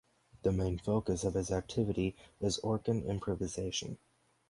The main focus of his activity is organ improvisation.